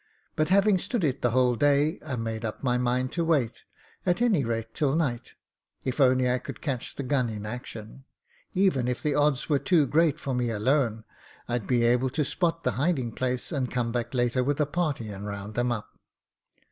But, having stood it the whole day, I made up my mind to wait, at any rate, till night. If only I could catch the gun in action — even if the odds were too great for me alone — I'd be able to spot the hiding place, and come back later with a party and round them up.